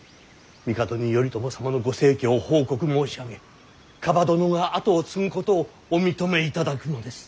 帝に頼朝様のご逝去を報告申し上げ蒲殿が跡を継ぐことをお認めいただくのです。